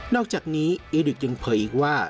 อกจากนี้เอดึกยังเผยอีกว่า